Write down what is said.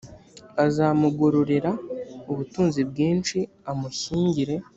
azamugororera ubutunzi bwinshi amushyingire